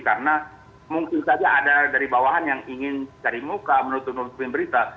karena mungkin saja ada dari bawahan yang ingin cari muka menutup nutupin berita